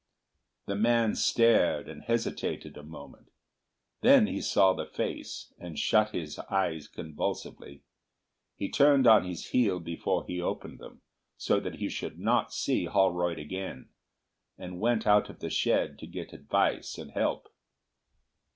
The man stared and hesitated a moment. Then he saw the face, and shut his eyes convulsively. He turned on his heel before he opened them, so that he should not see Holroyd again, and went out of the shed to get advice and help.